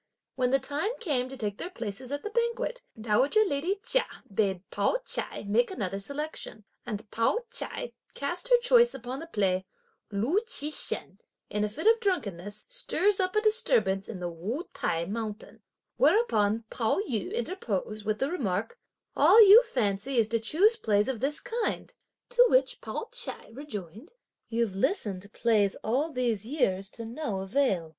When the time came to take their places at the banquet, dowager lady Chia bade Pao ch'ai make another selection, and Pao ch'ai cast her choice upon the play: "Lu Chih shen, in a fit of drunkenness stirs up a disturbance up the Wu T'ai mountain;" whereupon Pao yü interposed, with the remark: "All you fancy is to choose plays of this kind;" to which Pao ch'ai rejoined, "You've listened to plays all these years to no avail!